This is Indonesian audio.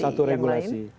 ya satu regulasi